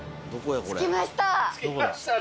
着きましたね。